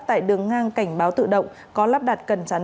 tại đường ngang cảnh báo tự động có lắp đặt cần chắn